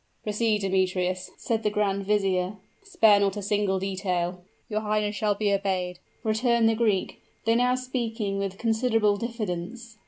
"Proceed, Demetrius," said the grand vizier, "spare not a single detail." "Your highness shall be obeyed," returned the Greek, though now speaking with considerable diffidence.